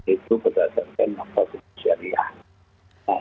itu berdasarkan makhluk jariah